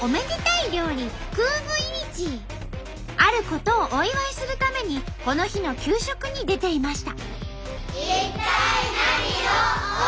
あることをお祝いするためにこの日の給食に出ていました。